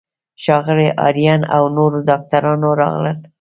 ښاغلی آرین او نورو ډاکټرانو راغلل.